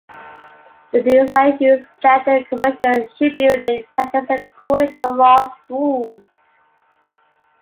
The design used standard commercial shipbuilding practices according to Lloyd's rules.